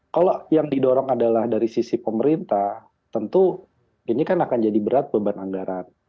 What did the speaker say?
kalau yang didorong adalah dari sisi pemerintah tentu ini kan akan jadi berat beban anggaran